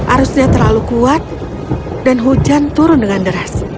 arusnya terlalu kuat dan hujan turun dengan deras